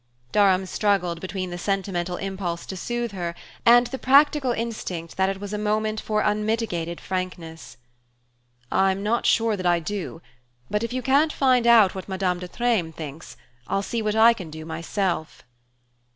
Durham struggled between the sentimental impulse to soothe her, and the practical instinct that it was a moment for unmitigated frankness. "I'm not sure that I do; but if you can't find out what Madame de Treymes thinks, I'll see what I can do myself."